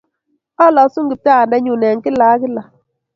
Alosun, Kiptaiyandennyu en kila ka kila